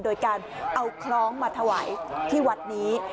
โดยการเอาคล้องมาถวายที่วัดนี้